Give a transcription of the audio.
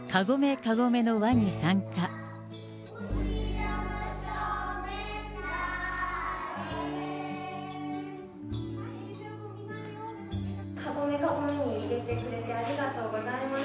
かごめかごめに入れてくれてありがとうございます。